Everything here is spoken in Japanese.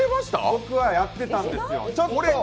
僕はやってたんですよ。